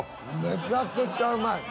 めちゃくちゃうまい。